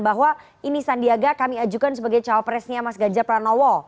bahwa ini sandiaga kami ajukan sebagai cawapresnya mas ganjar pranowo